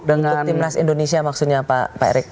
untuk timnas indonesia maksudnya pak erick